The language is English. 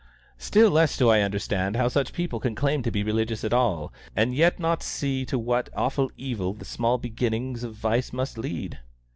Still less do I understand how such people can claim to be religious at all, and yet not see to what awful evil the small beginnings of vice must lead.